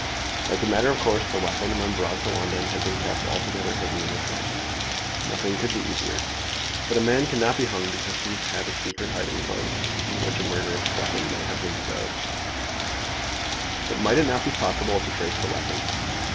As a matter of course, the weapon, when brought to London, had been kept altogether hidden in the trunk. Nothing could be easier. But a man cannot be hung because he has had a secret hiding place in which a murderous weapon may have been stowed away. But might it not be possible to trace the weapon?